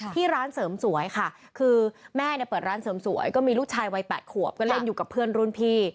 ที่ร้านเสริมสวยค่ะคือแม่เนี่ยเปิดร้านเสริมสวยก็มีลูกชายวัย๘ขวบก็เล่นอยู่กับเพื่อนรุ่นพี่